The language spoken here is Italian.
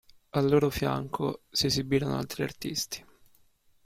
Al loro fianco si esibirono altri artisti.